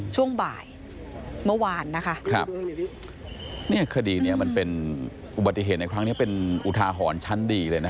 ช่วงบ่ายเมื่อวานนะคะครับเนี่ยคดีเนี้ยมันเป็นอุบัติเหตุในครั้งนี้เป็นอุทาหรณ์ชั้นดีเลยนะ